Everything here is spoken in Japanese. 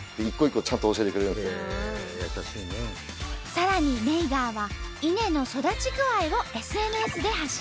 さらにネイガーは稲の育ち具合をＳＮＳで発信。